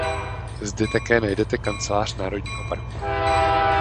Zde také najdete kancelář národního parku.